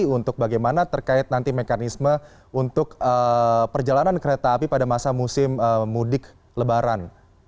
untuk bagaimana terkait nanti mekanisme untuk perjalanan kereta api pada masa musim mudik lebaran